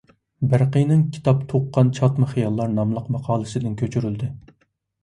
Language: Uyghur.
بەرقىينىڭ «كىتاب تۇغقان چاتما خىياللار» ناملىق ماقالىسىدىن كۆچۈرۈلدى.